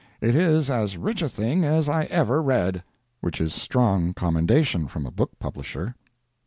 It is as rich a thing as I ever read." [Which is strong commendation from a book publisher.